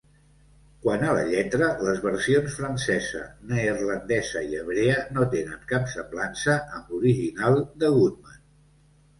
Quant a la lletra, les versions francesa, neerlandesa i hebrea no tenen cap semblança amb l'original de Goodman.